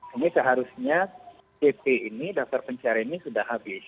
ini seharusnya dp ini daftar pencarian ini sudah habis